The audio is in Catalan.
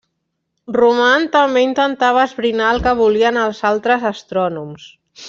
Roman també intentava esbrinar el que volien els altres astrònoms.